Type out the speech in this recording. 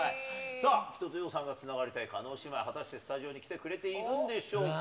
さあ、一青窈さんがつながりたい叶姉妹、果たしてスタジオに来てくれているんでしょうか。